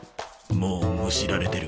もうむしられてる。